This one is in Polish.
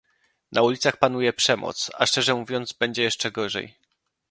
Na ulicach panuje przemoc, a szczerze mówiąc będzie jeszcze gorzej